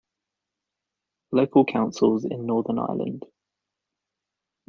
Local councils in Northern Ireland